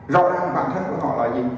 rõ ràng bản thân của họ là gì